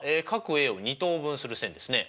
Ａを二等分する線ですね。